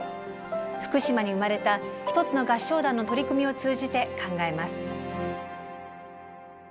福島に生まれた一つの合唱団の取り組みを通じて考えます。